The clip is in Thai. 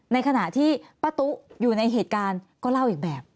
ในขณะที่ป้าตุ๊อยู่ในเหตุการณ์ก็เล่าอีกแบบ